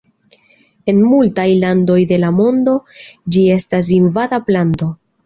En multaj landoj de la mondo ĝi estas invada planto.